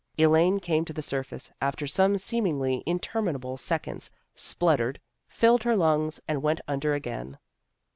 Elaine came to the surface, after some seemingly interminable seconds, spluttered, filled her lungs and went under again.